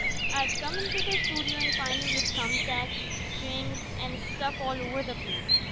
I'd come into the studio and find him with thumb tacks and strings and stuff all over the place.